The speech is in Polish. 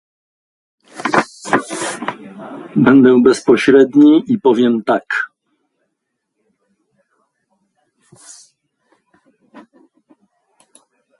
Będę bezpośredni i powiem tak